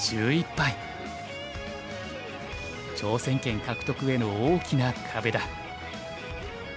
挑戦権獲得への大きな壁だ。